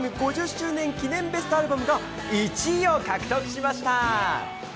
５０周年記念ベストアルバムが１位を獲得しました。